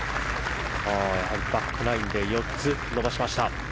バックナインで４つ伸ばしました。